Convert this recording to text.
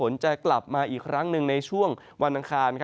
ส่วนจะกลับมาอีกครั้งหนึ่งในช่วงหวานงคร